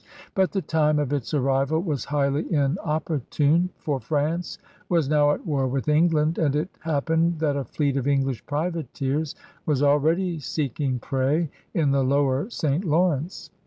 But the time of its arrival was highly inopportune, for France was now at war with England, and it happened that a fleet of English privateers was already seeking prey in the Lower St. Lawrence.